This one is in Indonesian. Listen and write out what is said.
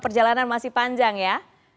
perjalanan masih panjang ya